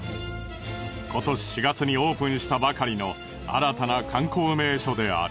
今年４月にオープンしたばかりの新たな観光名所である。